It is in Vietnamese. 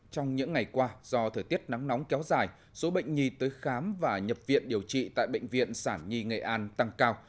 trong những ngày qua do thời tiết nắng nóng kéo dài số bệnh nhi tới khám và nhập viện điều trị tại bệnh viện sản nhi nghệ an tăng cao